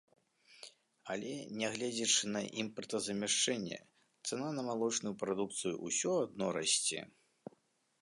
Але, нягледзячы на імпартазамяшчэнне, цана на малочную прадукцыю ўсё адно расце.